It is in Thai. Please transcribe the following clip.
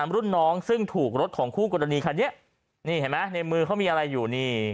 รุ่นน้องซึ่งถูกรถของคู่กรณีคันนี้นี่เห็นไหมในมือเขามีอะไรอยู่นี่